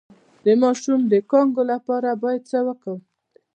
د ماشوم د کانګو لپاره باید څه وکړم؟